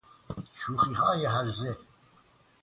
شوخیهای هرزه